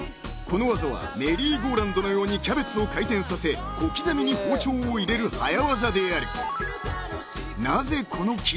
この技はメリーゴーランドのようにキャベツを回転させ小刻みに包丁を入れる早技である］